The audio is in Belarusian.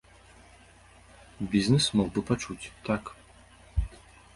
Бізнэс мог бы пачуць, так.